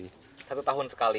iya satu tahun sekali